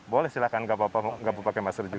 boleh silakan tidak apa apa tidak perlu pakai masker juga